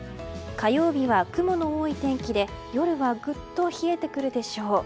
火曜日は雲の多い天気で夜はぐっと冷えてくるでしょう。